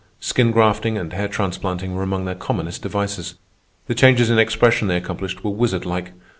Skin grafting and hair transplanting were among their commonest devices. The changes in expression they accomplished were wizard like.